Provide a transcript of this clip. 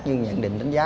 nhưng nhận định đánh giá